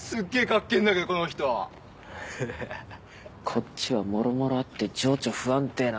こっちはもろもろあって情緒不安定なんだよ！